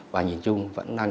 và nhìn chung